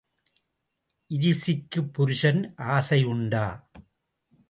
இரிசிக்குப் புருஷன் ஆசை உண்டா?